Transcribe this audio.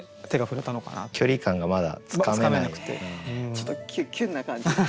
ちょっとキュンな感じ。